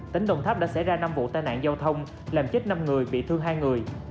tỉnh đồng tháp đã xảy ra năm vụ tai nạn giao thông làm chết năm người bị thương hai người